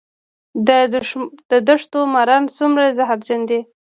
د دښتو ماران څومره زهرجن دي؟